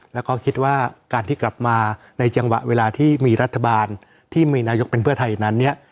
แล้วก็คิดว่าการที่กลับมาในจังหวะเวลาที่มีรัฐบาลที่มีนายกเป็นเพื่อไทยนั้นเนี่ย